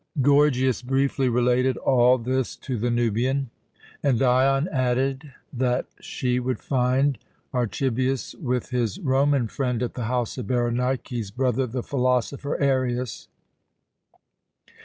Gorgias briefly related all this to the Nubian, and Dion added that she would find Archibius with his Roman friend at the house of Berenike's brother, the philosopher Arius.